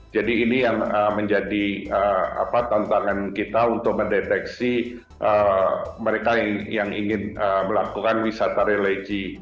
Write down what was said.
jadi ini yang menjadi tantangan kita untuk mendeteksi mereka yang ingin melakukan wisata religi